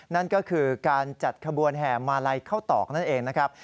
นั่นก็คือการจัดขบวนแห่มาลัยเข้าตอกนั่นเองนะครับ